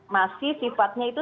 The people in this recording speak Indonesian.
masih sifatnya itu